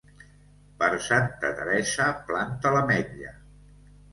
Per Santa Teresa planta l'ametlla.